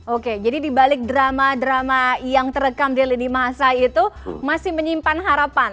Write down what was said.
oke jadi dibalik drama drama yang terekam di lini masa itu masih menyimpan harapan